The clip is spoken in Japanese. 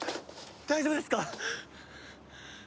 大丈夫ですか？